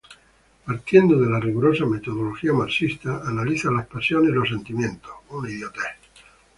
Partiendo de la rigurosa metodología marxista analiza las pasiones y los sentimientos.